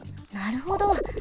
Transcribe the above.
なるほど。